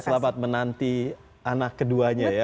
dan selamat menanti anak keduanya ya